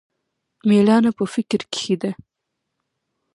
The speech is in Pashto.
مېړانه په فکر کښې ده.